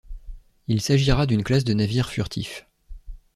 Il s'agira d'une classe de navire furtif.